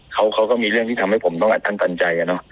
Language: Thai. อะไรแบบเขาก็มีเรื่องที่ทำให้ผมอั้นตันใจเนี่ยเนอะ